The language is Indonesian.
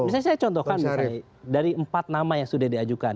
misalnya saya contohkan misalnya dari empat nama yang sudah diajukan